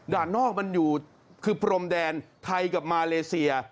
นอกมันอยู่คือพรมแดนไทยกับมาเลเซีย